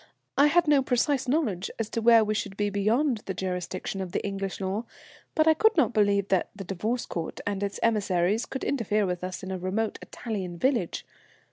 I had no precise knowledge as to where we should be beyond the jurisdiction of the English law, but I could not believe that the Divorce Court and its emissaries could interfere with us in a remote Italian village.